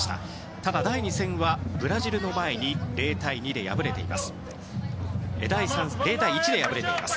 ただ、第２戦はブラジルの前に０対１で敗れています。